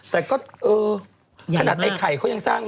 แต่ก็เออขนาดไอ้ไข่เขายังสร้าง